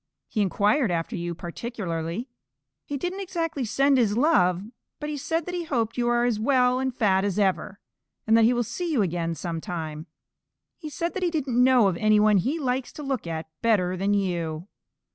He inquired after you particularly. He didn't exactly send his love, but he said that he hoped you are as well and fat as ever, and that he will see you again some time. He said that he didn't know of any one he likes to look at better than you."